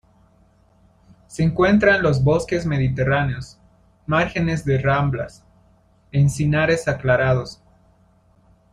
Se encuentra en los bosques mediterráneos, márgenes de ramblas, encinares aclarados.